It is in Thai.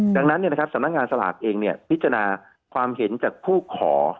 ดังนั้นสำนักงานสลากเองพิจารณาความเห็นจากผู้ขอ